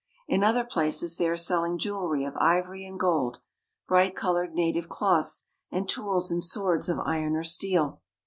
In other places they are selling jewelry of ivory and gold, bright colored native cloths, and tools and swords of iron or steel.